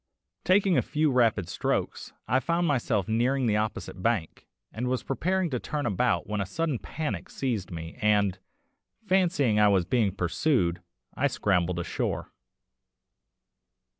Taking a few rapid strokes, I found myself nearing the opposite bank, and was preparing to turn about when a sudden panic seized me, and, fancying I was being pursued, I scrambled ashore.